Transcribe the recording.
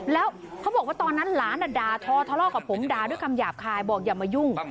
แล้วเขาบอกว่าตอนนั้นหลานด่าทอทะเลาะกับผมด่าด้วยคำหยาบคายบอกอย่ามายุ่ง